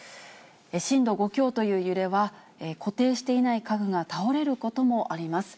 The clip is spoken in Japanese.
震度５強という揺れは、固定していない家具が倒れることもあります。